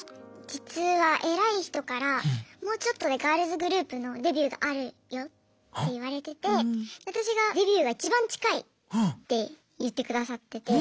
実はえらい人からもうちょっとでガールズグループのデビューがあるよって言われてて私がデビューがいちばん近いって言ってくださってて。